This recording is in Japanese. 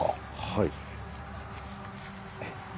はい。